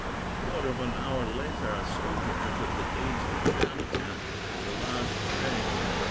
A quarter of an hour later, a soldier entered the aides de camp's tent, with a large tray.